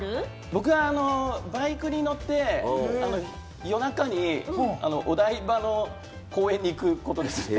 僕はバイクに乗って夜中にお台場の公園に行くことですね。